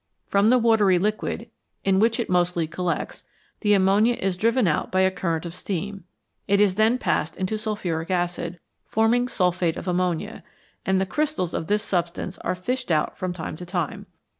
From the watery liquid, in which it mostly collects, the ammonia is driven out by a current of steam ; it is then passed into sulphuric acid, forming sulphate of ammonia, and the crystals of this substance are fished out from time to time.